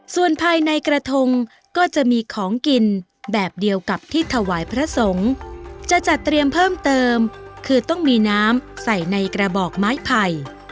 ส่วนภายในกระทงก็จะมีของกินแบบเดียวกับที่ถวายพระสงฆ์จะจัดเตรียมเพิ่มเติมคือต้องมีน้ำใส่ในกระบอกไม้ไผ่